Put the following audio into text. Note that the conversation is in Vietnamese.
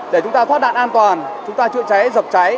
để chúng ta thoát đạn an toàn chúng ta chữa cháy dập cháy